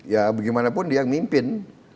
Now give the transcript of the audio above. ya bagaimanapun dia mimpin